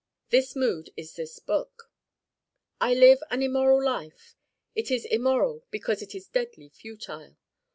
This mood is this book. I live an immoral life. It is immoral because it is deadly futile.